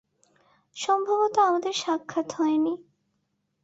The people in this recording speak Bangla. সম্ভবত আমাদের সাক্ষাৎ হয়নি।